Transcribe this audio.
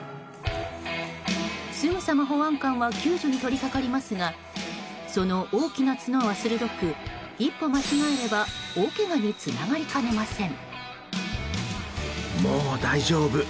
すぐさま保安官は救助に取り掛かりますがその大きな角は鋭く一歩間違えれば大けがにつながりかねません。